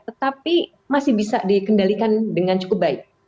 tetapi masih bisa dikendalikan dengan cukup baik